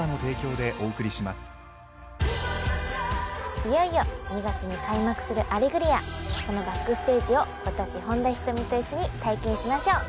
いよいよ２月に開幕する『アレグリア』そのバックステージを私本田仁美と一緒に体験しましょう。